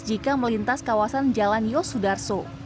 jika melintas kawasan jalan yosudarso